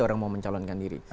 orang mau mencalonkan diri